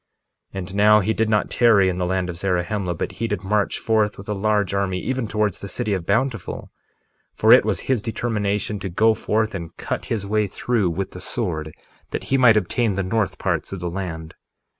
1:23 And now he did not tarry in the land of Zarahemla, but he did march forth with a large army, even towards the city of Bountiful; for it was his determination to go forth and cut his way through with the sword, that he might obtain the north parts of the land.